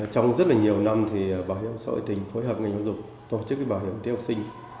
trong rất là nhiều năm thì bảo hiểm xã hội tỉnh phối hợp ngành bảo hiểm tỉnh học sinh